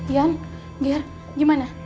ian ger gimana